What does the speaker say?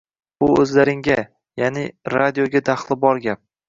Bu o‘zlaringga, ya’ni radioga daxli bor gap.